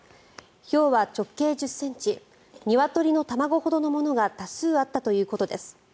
ひょうは直径１０ｃｍニワトリの卵ほどのものが多数あったということです。